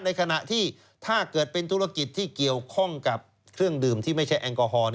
ในขณะที่ถ้าเกิดเป็นธุรกิจที่เกี่ยวข้องกับเครื่องดื่มที่ไม่ใช่แอลกอฮอล์